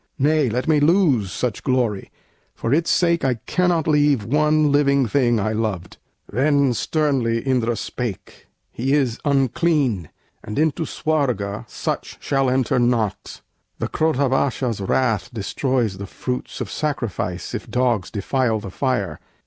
Nay, let me lose such glory; for its sake I cannot leave one living thing I loved." Then sternly Indra spake: "He is unclean, And into Swarga such shall enter not. The Krodhavasha's wrath destroys the fruits Of sacrifice, if dogs defile the fire.